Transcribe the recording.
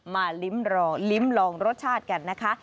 มารับลืมลองรสชาติกันนะคะ